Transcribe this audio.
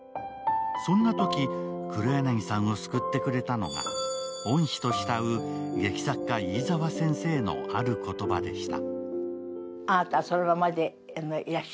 そんなとき、黒柳さんを救ってくれたのが恩師と慕う劇作家・飯沢先生のある言葉でした。